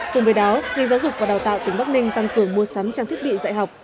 cùng với đó ngành giáo dục và đào tạo tỉnh bắc ninh tăng cường mua sắm trang thiết bị dạy học